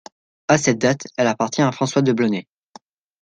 À cette date, elle appartient à François de Blonay.